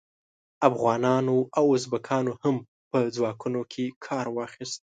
افغانانو او ازبکانو هم په ځواکونو کې کار واخیست.